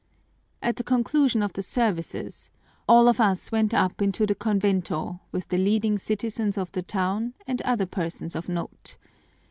"At the conclusion of the services all of us went up into the convento with the leading citizens of the town and other persons of note.